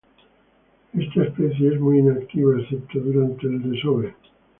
Esta especie es muy inactiva, excepto durante el desove.